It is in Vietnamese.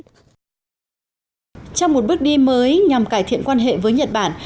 trong một bước đi mới nhằm cải thiện quan hệ với nhật bản